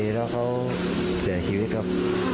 แล้วเขาเสียชีวิตครับ